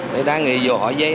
để đáng nghi vô hỏi giấy